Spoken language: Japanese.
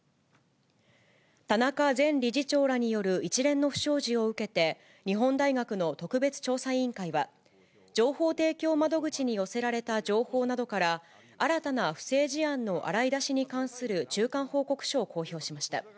田中前理事長らによる一連の不祥事を受けて、日本大学の特別調査委員会は、情報提供窓口に寄せられた情報などから、新たな不正事案の洗い出しに関する中間報告書を公表しました。